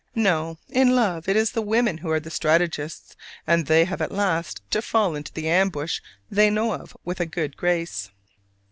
No: in love it is the women who are the strategists: and they have at last to fall into the ambush they know of with a good grace.